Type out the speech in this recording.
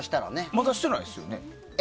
まだしてないですよね？